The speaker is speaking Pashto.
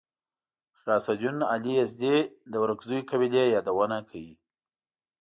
غیاث الدین علي یزدي د ورکزیو قبیلې یادونه کوي.